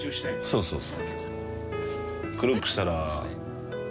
そうそう。